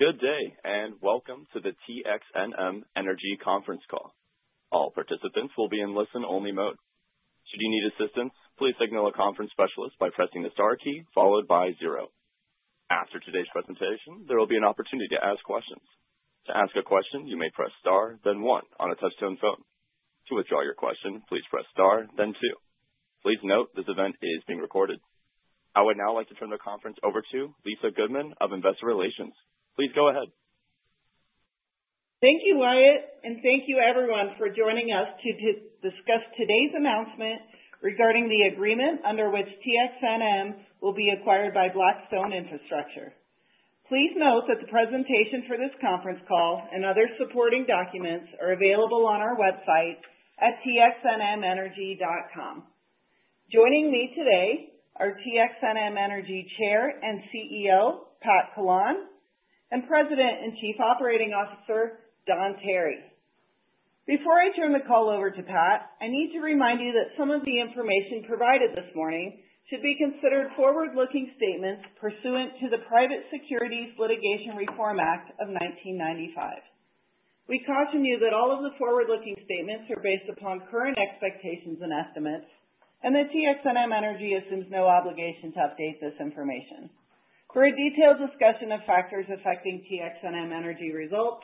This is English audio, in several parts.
Good day, and welcome to the TXNM Energy Conference Call. All participants will be in listen-only mode. Should you need assistance, please signal a conference specialist by pressing the * key followed by 0. After today's presentation, there will be an opportunity to ask questions. To ask a question, you may press *, then 1 on a touch-tone phone. To withdraw your question, please press *, then 2. Please note this event is being recorded. I would now like to turn the conference over to Lisa Goodman of Investor Relations. Please go ahead. Thank you, Wyatt, and thank you, everyone, for joining us to discuss today's announcement regarding the agreement under which TXNM will be acquired by Blackstone Infrastructure. Please note that the presentation for this conference call and other supporting documents are available on our website at txnmenergy.com. Joining me today are TXNM Energy Chair and CEO Pat Collawn, and President and Chief Operating Officer Don Tarry. Before I turn the call over to Pat, I need to remind you that some of the information provided this morning should be considered forward-looking statements pursuant to the Private Securities Litigation Reform Act of 1995. We caution you that all of the forward-looking statements are based upon current expectations and estimates, and that TXNM Energy assumes no obligation to update this information. For a detailed discussion of factors affecting TXNM Energy results,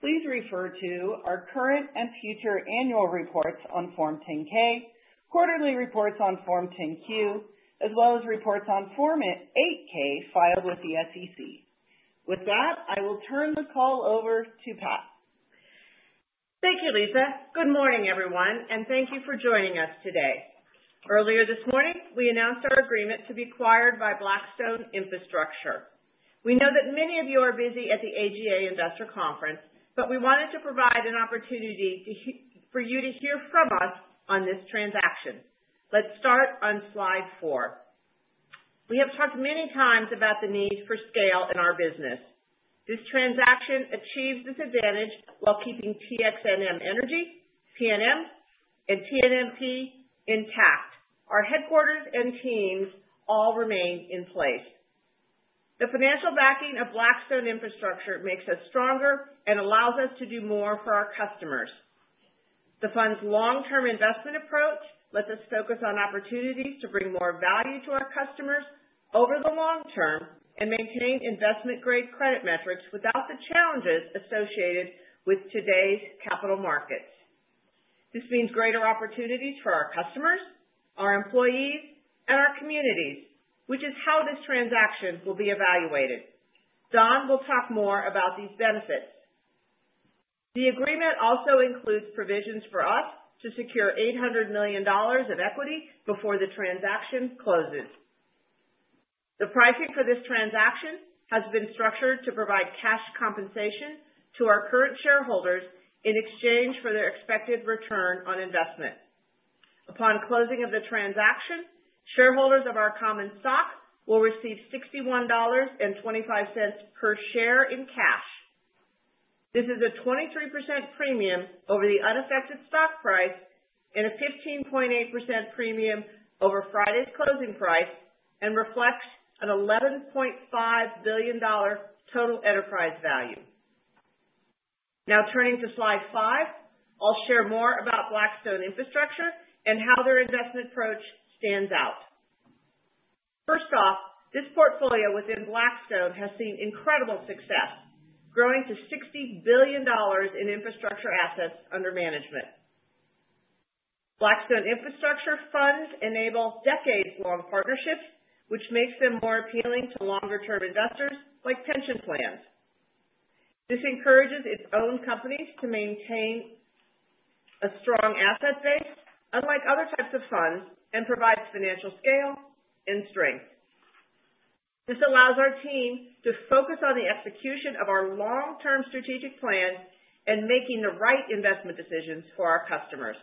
please refer to our current and future annual reports on Form 10-K, quarterly reports on Form 10-Q, as well as reports on Form 8-K filed with the SEC. With that, I will turn the call over to Pat. Thank you, Lisa. Good morning, everyone, and thank you for joining us today. Earlier this morning, we announced our agreement to be acquired by Blackstone Infrastructure. We know that many of you are busy at the AGA Investor Conference, but we wanted to provide an opportunity for you to hear from us on this transaction. Let's start on slide four. We have talked many times about the need for scale in our business. This transaction achieves this advantage while keeping TXNM Energy, PNM, and TNMP intact. Our headquarters and teams all remain in place. The financial backing of Blackstone Infrastructure makes us stronger and allows us to do more for our customers. The fund's long-term investment approach lets us focus on opportunities to bring more value to our customers over the long term and maintain investment-grade credit metrics without the challenges associated with today's capital markets. This means greater opportunities for our customers, our employees, and our communities, which is how this transaction will be evaluated. Don will talk more about these benefits. The agreement also includes provisions for us to secure $800 million of equity before the transaction closes. The pricing for this transaction has been structured to provide cash compensation to our current shareholders in exchange for their expected return on investment. Upon closing of the transaction, shareholders of our common stock will receive $61.25 per share in cash. This is a 23% premium over the unaffected stock price and a 15.8% premium over Friday's closing price and reflects an $11.5 billion total enterprise value. Now, turning to slide five, I'll share more about Blackstone Infrastructure and how their investment approach stands out. First off, this portfolio within Blackstone has seen incredible success, growing to $60 billion in infrastructure assets under management. Blackstone Infrastructure funds enable decades-long partnerships, which makes them more appealing to longer-term investors like pension plans. This encourages its own companies to maintain a strong asset base, unlike other types of funds, and provides financial scale and strength. This allows our team to focus on the execution of our long-term strategic plan and making the right investment decisions for our customers.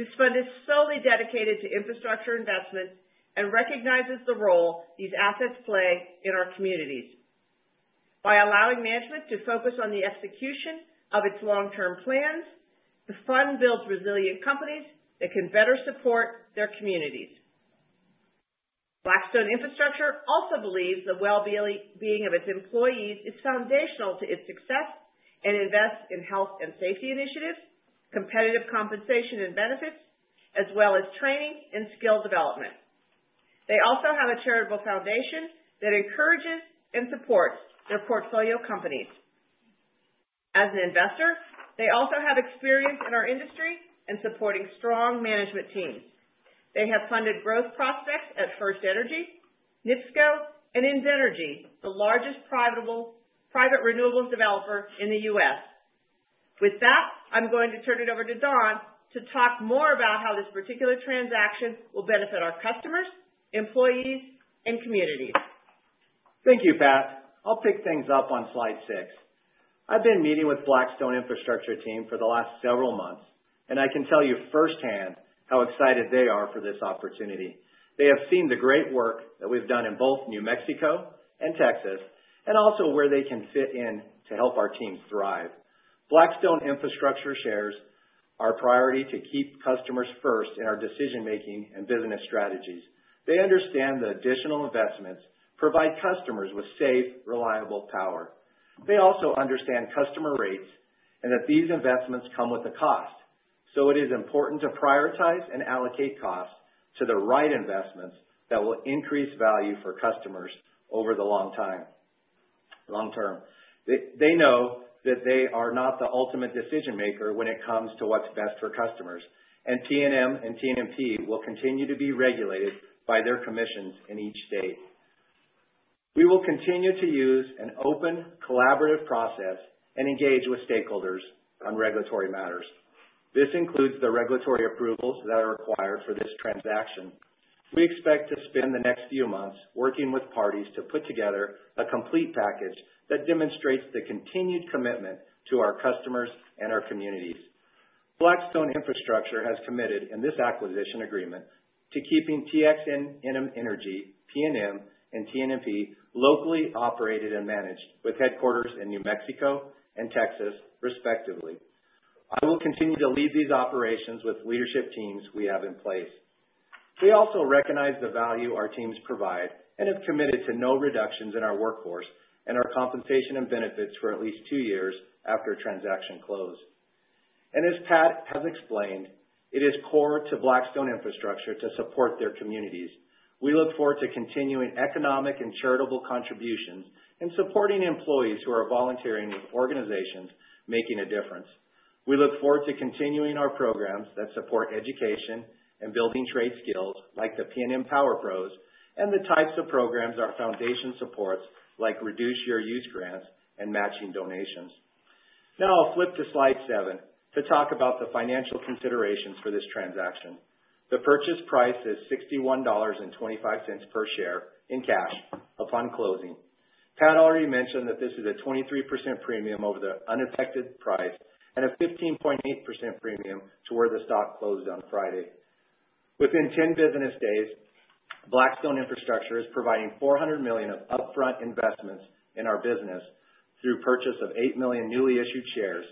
This fund is solely dedicated to infrastructure investments and recognizes the role these assets play in our communities. By allowing management to focus on the execution of its long-term plans, the fund builds resilient companies that can better support their communities. Blackstone Infrastructure also believes the well-being of its employees is foundational to its success and invests in health and safety initiatives, competitive compensation and benefits, as well as training and skill development. They also have a charitable foundation that encourages and supports their portfolio companies. As an investor, they also have experience in our industry in supporting strong management teams. They have funded growth prospects at FirstEnergy, NIPSCO, and Invenergy, the largest private renewables developer in the U.S.. With that, I'm going to turn it over to Don to talk more about how this particular transaction will benefit our customers, employees, and communities. Thank you, Pat. I'll pick things up on slide six. I've been meeting with Blackstone Infrastructure team for the last several months, and I can tell you firsthand how excited they are for this opportunity. They have seen the great work that we've done in both New Mexico and Texas, and also where they can fit in to help our teams thrive. Blackstone Infrastructure shares our priority to keep customers first in our decision-making and business strategies. They understand the additional investments provide customers with safe, reliable power. They also understand customer rates and that these investments come with a cost. It is important to prioritize and allocate costs to the right investments that will increase value for customers over the long term. They know that they are not the ultimate decision-maker when it comes to what's best for customers, and TNMP and TNMP will continue to be regulated by their commissions in each state. We will continue to use an open, collaborative process and engage with stakeholders on regulatory matters. This includes the regulatory approvals that are required for this transaction. We expect to spend the next few months working with parties to put together a complete package that demonstrates the continued commitment to our customers and our communities. Blackstone Infrastructure has committed in this acquisition agreement to keeping TXNM Energy, PNM, and TNMP locally operated and managed with headquarters in New Mexico and Texas, respectively. I will continue to lead these operations with leadership teams we have in place. We also recognize the value our teams provide and have committed to no reductions in our workforce and our compensation and benefits for at least two years after transaction close. As Pat has explained, it is core to Blackstone Infrastructure to support their communities. We look forward to continuing economic and charitable contributions and supporting employees who are volunteering with organizations making a difference. We look forward to continuing our programs that support education and building trade skills like the PNM Power Pros and the types of programs our foundation supports like Reduce Your Use grants and matching donations. Now I'll flip to slide seven to talk about the financial considerations for this transaction. The purchase price is $61.25 per share in cash upon closing. Pat already mentioned that this is a 23% premium over the unaffected price and a 15.8% premium to where the stock closed on Friday. Within 10 business days, Blackstone Infrastructure is providing $400 million of upfront investments in our business through purchase of 8 million newly issued shares.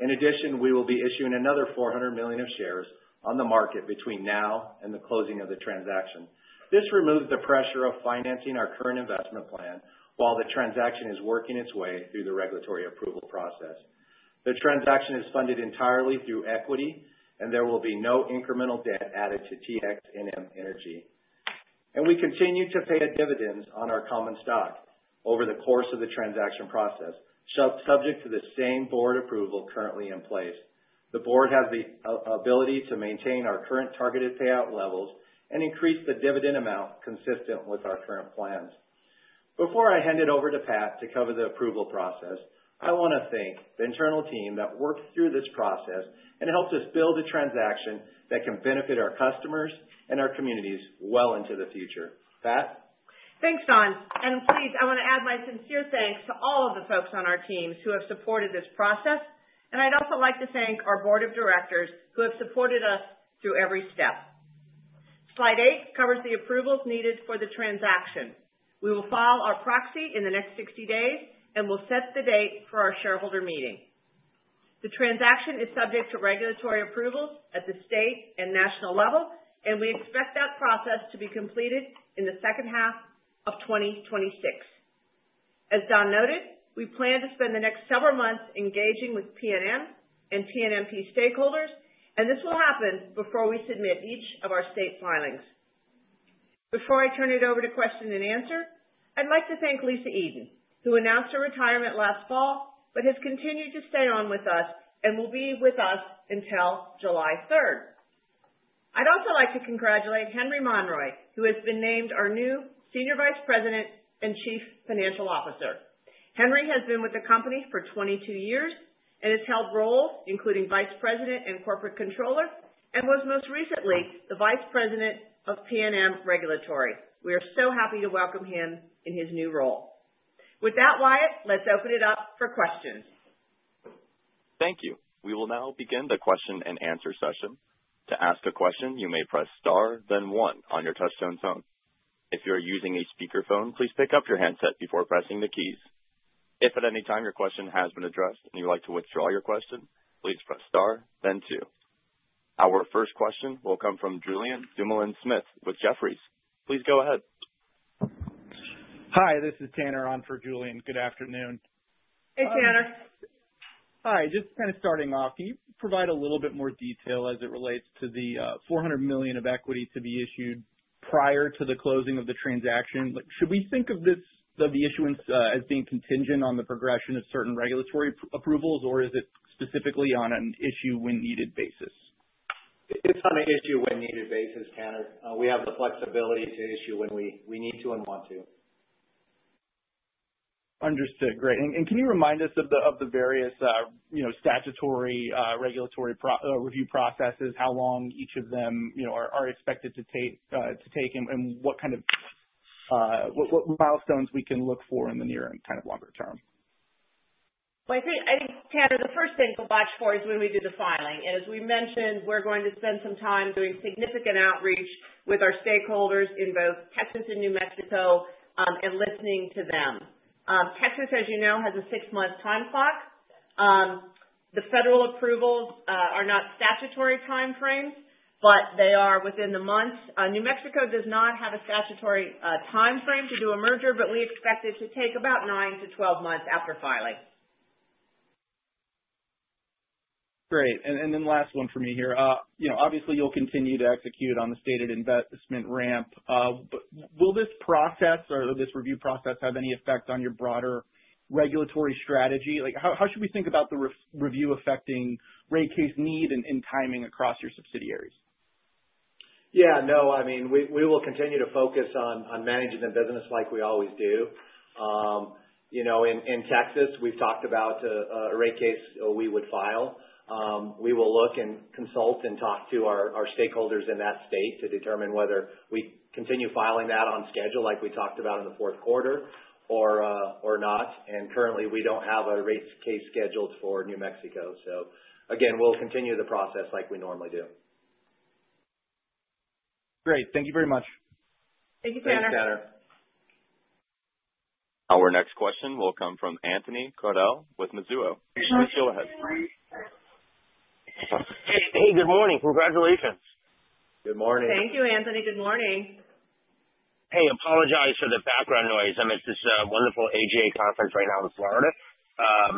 In addition, we will be issuing another $400 million of shares on the market between now and the closing of the transaction. This removes the pressure of financing our current investment plan while the transaction is working its way through the regulatory approval process. The transaction is funded entirely through equity, and there will be no incremental debt added to TXNM Energy. We continue to pay dividends on our common stock over the course of the transaction process, subject to the same board approval currently in place. The board has the ability to maintain our current targeted payout levels and increase the dividend amount consistent with our current plans. Before I hand it over to Pat to cover the approval process, I want to thank the internal team that worked through this process and helped us build a transaction that can benefit our customers and our communities well into the future. Pat? Thanks, Don. I want to add my sincere thanks to all of the folks on our teams who have supported this process. I would also like to thank our board of directors who have supported us through every step. Slide eight covers the approvals needed for the transaction. We will file our proxy in the next 60 days and will set the date for our shareholder meeting. The transaction is subject to regulatory approvals at the state and national level, and we expect that process to be completed in the second half of 2026. As Don noted, we plan to spend the next several months engaging with PNM and TNMP stakeholders, and this will happen before we submit each of our state filings. Before I turn it over to question and answer, I'd like to thank Lisa Eden, who announced her retirement last fall but has continued to stay on with us and will be with us until July 3rd. I'd also like to congratulate Henry Monroy, who has been named our new Senior Vice President and Chief Financial Officer. Henry has been with the company for 22 years and has held roles including Vice President and Corporate Controller and was most recently the Vice President of PNM Regulatory. We are so happy to welcome him in his new role. With that, Wyatt, let's open it up for questions. Thank you. We will now begin the question and answer session. To ask a question, you may press *, then 1 on your touch-tone phone. If you are using a speakerphone, please pick up your handset before pressing the keys. If at any time your question has been addressed and you'd like to withdraw your question, please press *, then 2. Our first question will come from Julien Dumoulin-Smith with Jefferies. Please go ahead. Hi, this is Tanner on for Julien. Good afternoon. Hey, Tanner. Hi. Just kind of starting off, can you provide a little bit more detail as it relates to the $400 million of equity to be issued prior to the closing of the transaction? Should we think of the issuance as being contingent on the progression of certain regulatory approvals, or is it specifically on an issue-when-needed basis? It's on an issue-when-needed basis, Tanner. We have the flexibility to issue when we need to and want to. Understood. Great. Can you remind us of the various statutory regulatory review processes, how long each of them are expected to take, and what kind of milestones we can look for in the near and kind of longer term? I think, Tanner, the first thing to watch for is when we do the filing. As we mentioned, we're going to spend some time doing significant outreach with our stakeholders in both Texas and New Mexico and listening to them. Texas, as you know, has a six-month time clock. The federal approvals are not statutory time frames, but they are within the months. New Mexico does not have a statutory time frame to do a merger, but we expect it to take about 9 to 12 months after filing. Great. Last one for me here. Obviously, you'll continue to execute on the stated investment ramp. Will this process or this review process have any effect on your broader regulatory strategy? How should we think about the review affecting rate case need and timing across your subsidiaries? Yeah. No, I mean, we will continue to focus on managing the business like we always do. In Texas, we have talked about a rate case we would file. We will look and consult and talk to our stakeholders in that state to determine whether we continue filing that on schedule like we talked about in the fourth quarter or not. Currently, we do not have a rate case scheduled for New Mexico. Again, we will continue the process like we normally do. Great. Thank you very much. Thank you, Tanner. Thank you, Tanner. Our next question will come from Anthony Crowdell with Mizuho. Go ahead. Hey, good morning. Congratulations. Good morning. Thank you, Anthony. Good morning. Hey, apologize for the background noise. I'm at this wonderful AGA conference right now in Florida.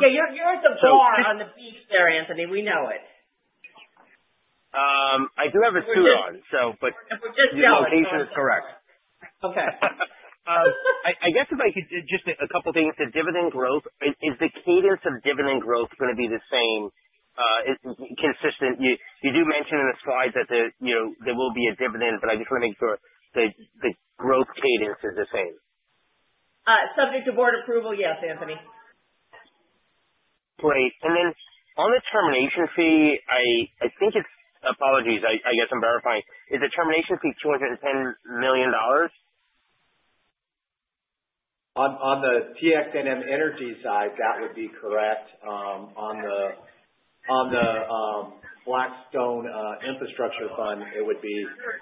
Yeah, you're at the bar on the beach there, Anthony. We know it. I do have a suit on, but the location is correct. Okay. I guess if I could just a couple of things. The dividend growth, is the cadence of dividend growth going to be the same, consistent? You do mention in the slide that there will be a dividend, but I just want to make sure the growth cadence is the same. Subject to board approval, yes, Anthony. Great. On the termination fee, I think it's—apologies, I guess I'm verifying—is the termination fee $210 million? On the TXNM Energy side, that would be correct. On the Blackstone Infrastructure Fund, it would be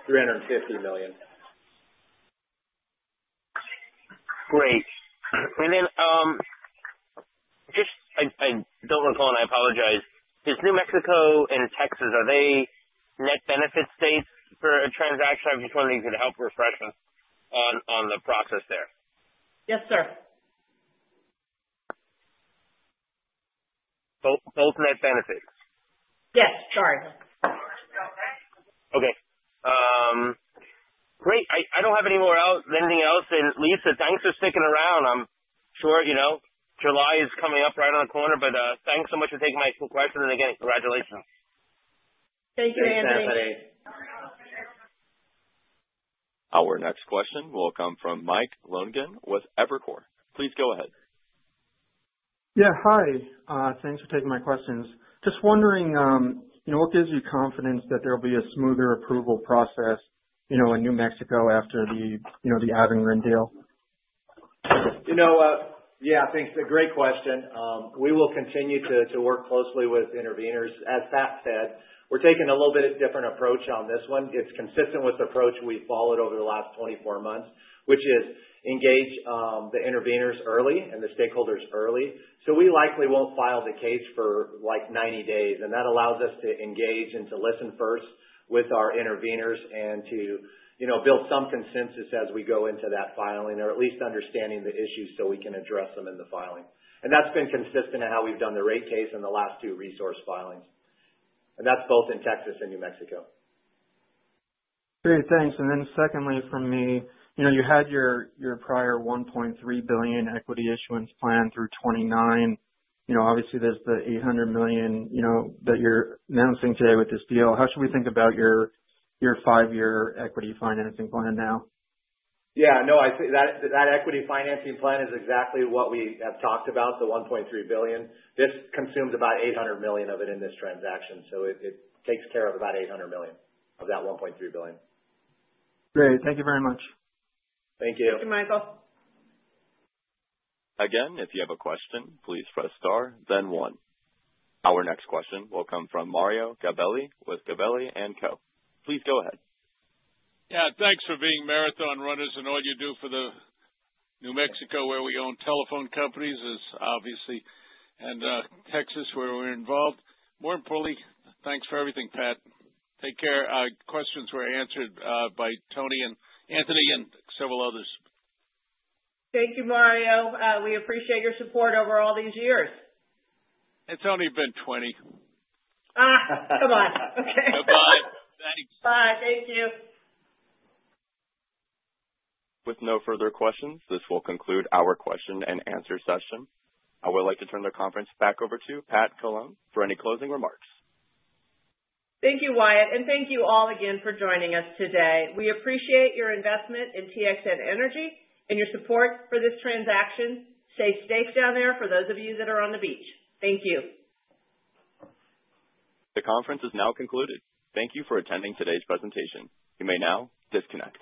$350 million. Great. Just—I do not recall, and I apologize—is New Mexico and Texas, are they net benefit states for a transaction? I just wanted to help refresh on the process there. Yes, sir. Both net benefits? Yes. Sorry. Okay. Great. I do not have anything else. Lisa, thanks for sticking around. I am sure July is coming up right on the corner, but thanks so much for taking my question. Again, congratulations. Thank you, Anthony. Have a good Saturday. Our next question will come from Mike Lonegan with Evercore. Please go ahead. Yeah, hi. Thanks for taking my questions. Just wondering, what gives you confidence that there'll be a smoother approval process in New Mexico after the Abingdon deal? Yeah, thanks. A great question. We will continue to work closely with interveners. As Pat said, we're taking a little bit of a different approach on this one. It's consistent with the approach we've followed over the last 24 months, which is engage the interveners early and the stakeholders early. We likely won't file the case for like 90 days. That allows us to engage and to listen first with our interveners and to build some consensus as we go into that filing or at least understanding the issues so we can address them in the filing. That's been consistent in how we've done the rate case in the last two resource filings. That's both in Texas and New Mexico. Great. Thanks. Then secondly from me, you had your prior $1.3 billion equity issuance plan through 2029. Obviously, there is the $800 million that you are announcing today with this deal. How should we think about your five-year equity financing plan now? Yeah. No, that equity financing plan is exactly what we have talked about, the $1.3 billion. This consumes about $800 million of it in this transaction. It takes care of about $800 million of that $1.3 billion. Great. Thank you very much. Thank you. Thank you, Michael. Again, if you have a question, please press *, then 1. Our next question will come from Mario Gabelli with Gabelli & Co. Please go ahead. Yeah. Thanks for being marathon runners in all you do for New Mexico, where we own telephone companies obviously, and Texas where we're involved. More importantly, thanks for everything, Pat. Take care. Questions were answered by Tony and Anthony and several others. Thank you, Mario. We appreciate your support over all these years. It's only been 20. Come on. Okay. Goodbye. Thanks. Bye. Thank you. With no further questions, this will conclude our question and answer session. I would like to turn the conference back over to Pat Collawn for any closing remarks. Thank you, Wyatt. Thank you all again for joining us today. We appreciate your investment in TXNM Energy and your support for this transaction. Safe stakes down there for those of you that are on the beach. Thank you. The conference is now concluded. Thank you for attending today's presentation. You may now disconnect.